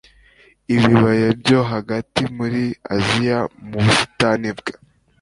ibibaya byo hagati muri aziya mu busitani bwe